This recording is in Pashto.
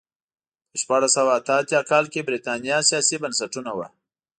په شپاړس سوه اته اتیا کال کې برېټانیا سیاسي بنسټونه وو.